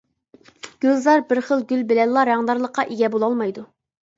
گۈلزار بىر خىل گۈل بىلەنلا رەڭدارلىققا ئىگە بولالمايدۇ.